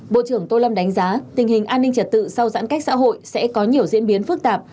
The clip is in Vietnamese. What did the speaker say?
bộ trưởng tô lâm đánh giá tình hình an ninh trật tự sau giãn cách xã hội sẽ có nhiều diễn biến phức tạp